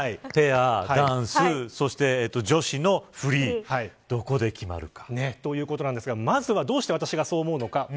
ペア、ダンスそして女子のフリーどこで決まるか。ということなんですがどうして、私がそう思うのか。